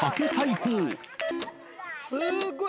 今、すごい。